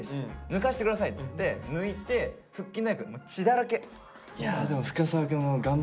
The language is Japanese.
抜かして下さいっつって抜いて腹筋太鼓血だらけ。